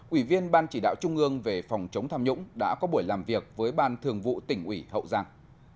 ủy viên ban chỉ đạo trung ương về phòng chống tham nhũng đã có buổi làm việc với ban thường vụ tỉnh ủy hậu giang